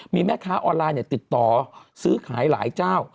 มีแม่ค้าออนไลน์ติดต่อซื้อขายหลายเจ้า